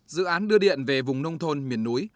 dự án đưa điện về vùng nông thôn miền núi